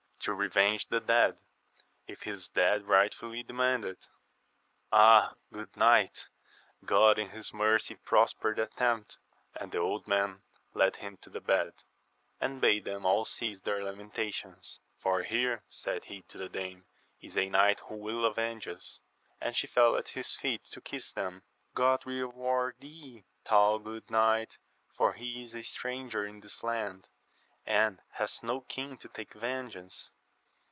— To revenge the dead, if his death rightfully demanded it. — Ah, good knight ! God in his mercy prosper the attempt ! And the old man led him to the bed, and bade them all cease their lamentations ; For here, said he to the dame, is a knight who will avenge us. And she fell at his feet to loss them. God reward thee, thou good knight, for he is a stranger in this land, and hath no kin to take vengeance.